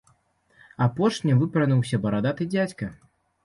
Апошнім выпарыўся барадаты дзядзька.